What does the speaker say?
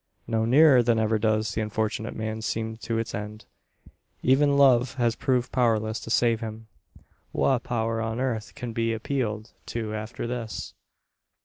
Now nearer than ever does the unfortunate man seem to his end. Even love has proved powerless to save him! Wha power on earth can be appealed to after this?